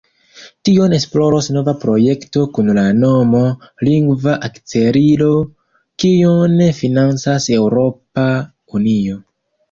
Tion esploros nova projekto kun la nomo "Lingva Akcelilo", kiun financas Eŭropa Unio.